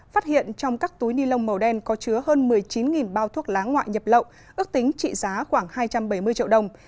phát hiện trong các túi ni lông màu đen có chứa hơn một mươi chín bao thuốc lá ngoại nhập lậu ước tính trị giá khoảng hai trăm bảy mươi triệu đồng